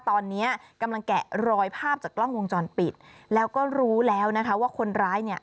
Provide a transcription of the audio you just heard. ตอนนี้กำลังแกะรอยภาพจากกล้องวงจรปิดแล้วก็รู้แล้วนะคะว่าคนร้ายเนี่ย